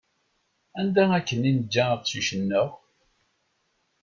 Anda akken i neǧǧa aqcic-nneɣ?